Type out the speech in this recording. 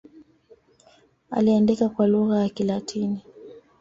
Aliandika kwa lugha ya Kilatini.